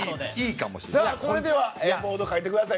それではボード書いてください